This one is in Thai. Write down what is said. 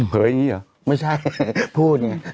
เผยอย่างนี้หรอไม่ใช่พูด